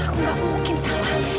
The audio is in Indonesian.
aku gak mungkin salah